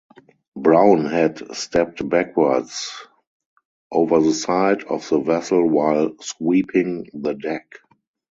Brown had stepped backwards over the side of the vessel while sweeping the deck.